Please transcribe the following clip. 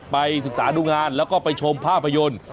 ไปศึกษาดูงานแล้วก็ไปชมภาพยนตร์